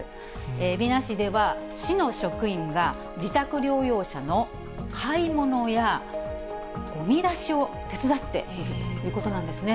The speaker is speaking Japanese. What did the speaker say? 海老名市では、市の職員が自宅療養者の買い物や、ごみ出しを手伝っているということなんですね。